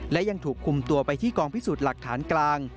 และยังถูกคุมตัวไปที่กองพิสูจน์หลักฐานกลาง